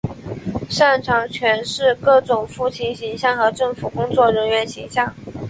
擅长诠释各种父亲形象和政府工作人员形象。